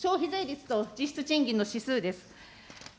消費税率と実質賃金の指数です。